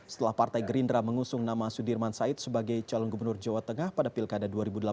setelah partai gerindra mengusung nama sudirman said sebagai calon gubernur jawa tengah pada pilkada dua ribu delapan belas